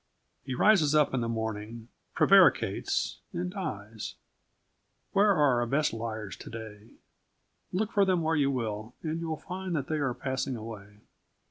He rises up in the morning, prevaricates, and dies. Where are our best liars to day? Look for them where you will and you will find that they are passing away.